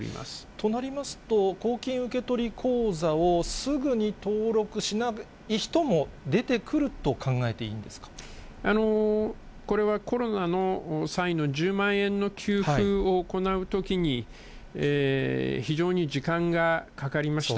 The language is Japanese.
となりますと、公金受取口座をすぐに登録しない人も出てくると考えていいんですこれはコロナの際の１０万円の給付を行うときに、非常に時間がかかりました。